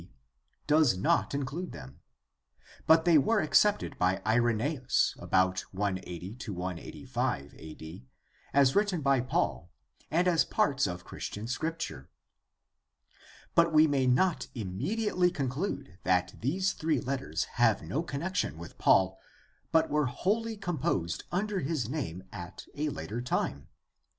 d., does not include them. But they were accepted by Irenaeus about 180 85 ^^ written by Paul and as parts of Christian Scripture. But we may not immediately conclude that these three letters have no connection with Paul but were wholly com posed under his name at a later time.